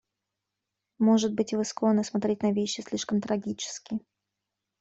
Может быть, вы склонны смотреть на вещи слишком трагически.